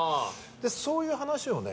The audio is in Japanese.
そういう話をね